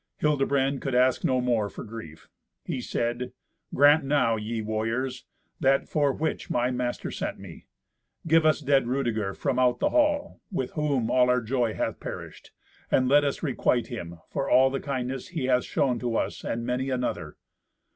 Hildebrand could ask no more for grief. He said, "Grant now, ye warriors, that for which my master sent me. Give us dead Rudeger from out the hall, with whom all our joy hath perished, and let us requite him for all the kindness he hath shown to us and many another.